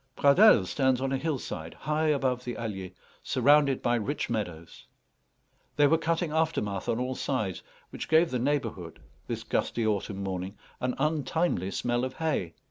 Pradelles stands on a hillside, high above the Allier, surrounded by rich meadows. They were cutting aftermath on all sides, which gave the neighbourhood, this gusty autumn morning, an untimely smell of hay.